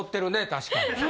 確かに。